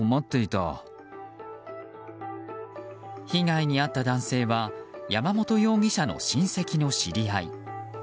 被害に遭った男性は山本容疑者の親戚の知り合い。